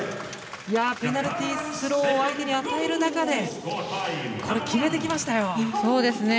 ペナルティースローを相手に与える中で決めてきましたよ。